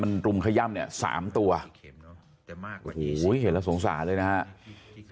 มันรุมขย่ำเนี่ย๓ตัวโอ้โหเห็นแล้วสงสารเลยนะครับ